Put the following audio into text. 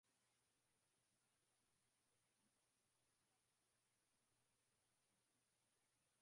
kuidhinisha bajeti na mgawanyo wa faida inayotokana na shughuli zake